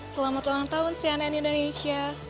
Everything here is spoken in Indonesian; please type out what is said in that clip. selamat ulang tahun cnn indonesia